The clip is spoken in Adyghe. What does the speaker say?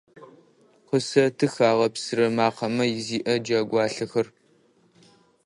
Къысэтых агъэпсырэ мэкъамэ зиӏэ джэгуалъэхэр.